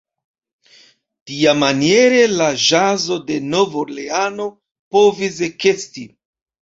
Tiamaniere la ĵazo de Nov-Orleano povis ekesti.